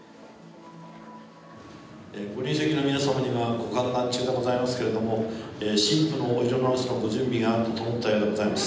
ご臨席の皆様にはご歓談中でございますけれども新婦のお色直しのご準備が整ったようでございます。